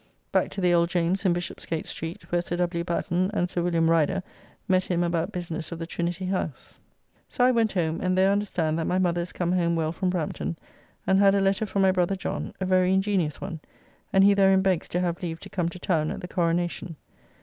Back to the Old James in Bishopsgate Street, where Sir W. Batten and Sir Wm. Rider met him about business of the Trinity House. So I went home, and there understand that my mother is come home well from Brampton, and had a letter from my brother John, a very ingenious one, and he therein begs to have leave to come to town at the Coronacion.